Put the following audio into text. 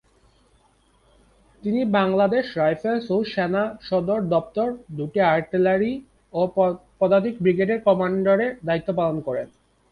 তিনি বাংলাদেশ রাইফেলস ও সেনা সদর দপ্তর, দুটি আর্টিলারি ও পদাতিক ব্রিগেডের কমান্ডারের দায়িত্ব পালন করেন।